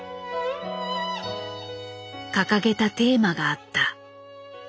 掲げたテーマがあった。